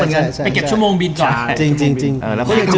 ไปเก็บชั่วโมงบินก่อน